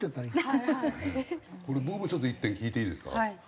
これ僕もちょっと一点聞いていいですか？